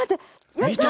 やったー！